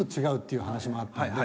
いう話もあったんで。